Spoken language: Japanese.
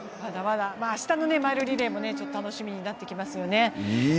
明日のマイルリレーも楽しみになってきますよね。